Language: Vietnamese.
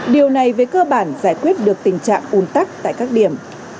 điều này với cơ bản giải quyết được tình trạng un tắc tại các điểm